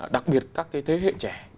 đặc biệt các thế hệ trẻ